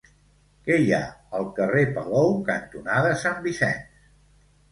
Què hi ha al carrer Palou cantonada Sant Vicenç?